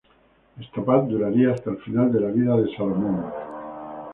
Esta paz duraría hasta el final de la vida de Salomón.